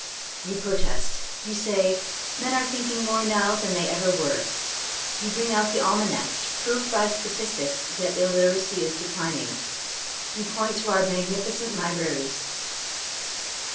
Ton protest. Ton say men are thinking more now than they ever were. You bring out the almanac to prove by statistics that illiteracy is declining. You point to our magnificent libraries.